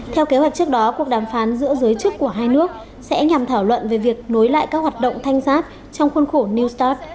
theo kế hoạch trước đó cuộc đàm phán giữa giới chức của hai nước sẽ nhằm thảo luận về việc nối lại các hoạt động thanh sát trong khuôn khổ new start